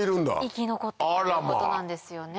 生き残っているということなんですよね。